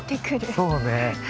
そうね。